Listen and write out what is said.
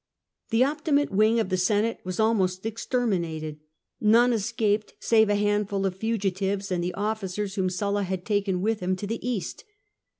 The Optimate wing of the Senate was almost exterminated ; none escaped save a handful of fugitives, and the officers whom Sulla had taken with him to the East.